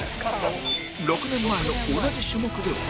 ６年前の同じ種目では